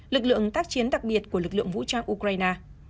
lực lượng tác chiến đặc biệt của lực lượng vũ trang ukraine